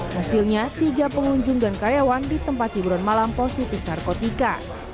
hasilnya tiga pengunjung dan karyawan di tempat hiburan malam positif narkotika